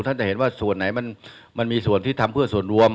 จะเห็นว่าส่วนไหนมันมีส่วนที่ทำเพื่อส่วนรวม